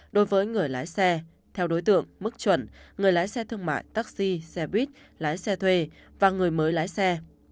đối với người lái xe theo đối tượng mức chuẩn người lái xe thương mại taxi xe buýt lái xe thuê và người mới lái xe